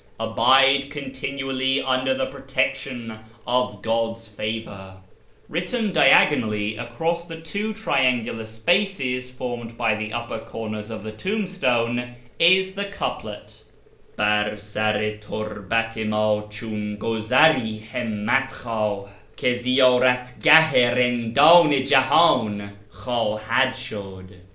Abide continually under the protection of God's favour !" Written diagonally across the two triangular spaces formed by the upper corners of the tombstone is the couplet — "Bar sar i turhat i md chfm guzart himmat l;hwuh, Ki ziydrat (jah i rinddn i jihun khwdhad shud."